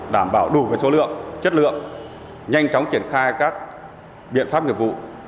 đảm bảo đủ về số lượng chất lượng nhanh chóng triển khai các biện pháp nghiệp vụ